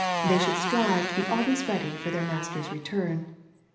They should strive to be always ready for their master's return.